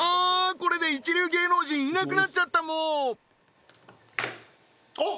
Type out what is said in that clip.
これで一流芸能人いなくなっちゃったもうあっ！